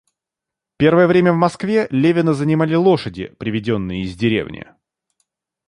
Первое время в Москве Левина занимали лошади, приведенные из деревни.